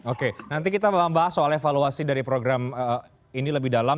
oke nanti kita akan bahas soal evaluasi dari program ini lebih dalam